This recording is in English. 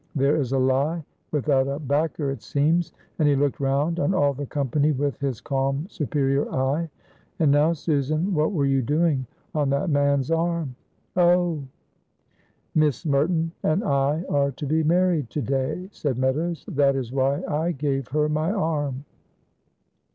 "There is a lie without a backer, it seems;" and he looked round on all the company with his calm superior eye. "And now, Susan, what were you doing on that man's arm?" "Oh!" "Miss Merton and I are to be married to day," said Meadows, "that is why I gave her my arm."